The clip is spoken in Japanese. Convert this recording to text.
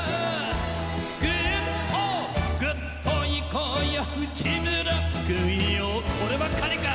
こればっかりか！